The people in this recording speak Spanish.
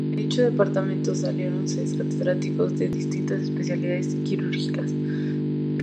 De dicho departamento salieron seis Catedráticos de distintas especialidades quirúrgicas.